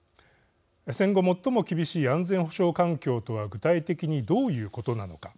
戦後、最も厳しい安全保障環境とは具体的にどういうことなのか。